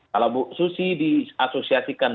kalau bu susi diasosiasikan